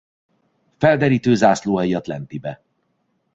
Felderítő Zászlóaljat Lentibe.